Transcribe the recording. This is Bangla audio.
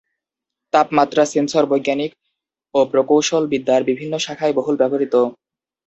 তাপমাত্রা সেন্সর বৈজ্ঞানিক ও প্রকৌশল বিদ্যার বিভিন্ন শাখায় বহুল ব্যবহৃত।